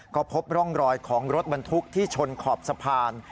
ก็พบร่องรอยของรถบรรทุกที่ชนขอบสะพาน